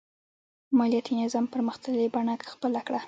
مالیاتي نظام پرمختللې بڼه خپله کړه.